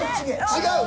違う。